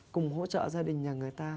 cùng hỗ trợ gia đình nhà người ta